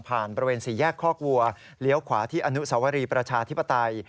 บริเวณสี่แยกคอกวัวเลี้ยวขวาที่อนุสวรีประชาธิปไตย